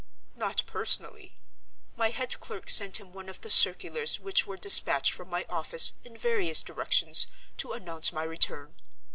"Not personally. My head clerk sent him one of the circulars which were dispatched from my office, in various directions, to announce my return.